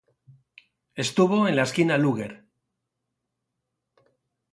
Estuvo en la esquina de Luger.